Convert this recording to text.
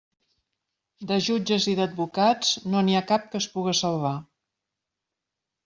De jutges i d'advocats, no n'hi ha cap que es puga salvar.